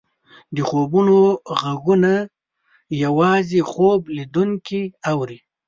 د خوبونو ږغونه یوازې خوب لیدونکی اوري.